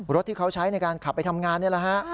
รถที่เขาใช้ในการขับไปทำงานนี่แหละฮะ